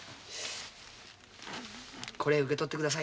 これ受け取って下さい。